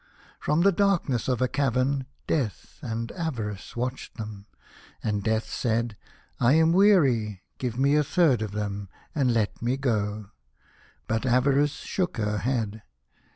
From the darkness of a cavern Death and H The Young King. Avarice watched them, and Death said, " I am weary ; give me a third of them and let me go." But Avarice shook her head.